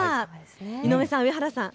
井上さん、上原さん